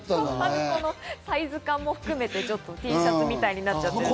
サイズ感も含めてＴシャツみたいになっちゃってる。